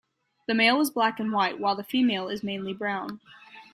The male is black and white, while the female is mainly brown.